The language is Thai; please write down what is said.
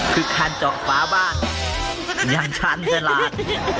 คือท่านจอกฝาบ้านอย่างชาญฉลาด